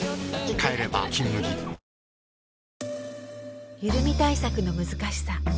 帰れば「金麦」ゆるみ対策の難しさ